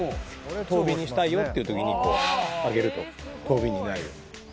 遠火にしたいよっていうときにこう、上げると遠火になる。